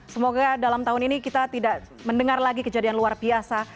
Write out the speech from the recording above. semoga dalam tahun ini kita tidak mendengar lagi kejadian luar biasa